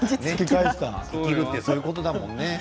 生きるってそういうことだよ。